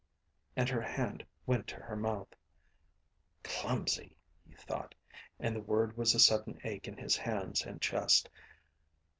And her hand went to her mouth. Clumsy! he thought, and the word was a sudden ache in his hands and chest.